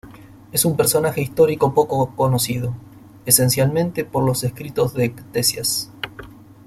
Es un personaje histórico poco conocido, esencialmente por los escritos de Ctesias.